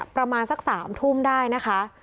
ประมาณสัก๓ทุ่มได้นะคะ